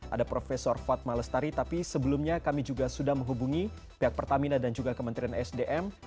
ada prof fatma lestari tapi sebelumnya kami juga sudah menghubungi pihak pertamina dan juga kementerian sdm